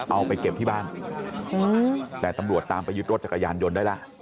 เอาไปเก็บที่บ้านแต่ตำรวจตามไปยึดรถจักรยานยนต์ได้แล้ว